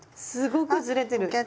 すごくずれてる！